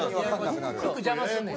服邪魔すんねん。